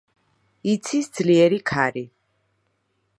იცის ძლიერი ქარი.